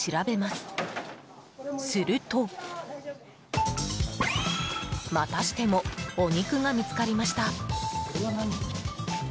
すると、またしてもお肉が見つかりました。